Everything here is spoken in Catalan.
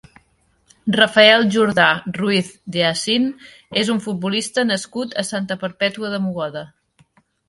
Rafael Jordà Ruiz de Asín és un futbolista nascut a Santa Perpètua de Mogoda.